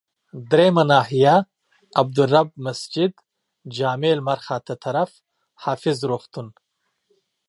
دریمه ناحيه، عبدالرب مسجدجامع لمرخاته طرف، حافظ روغتون.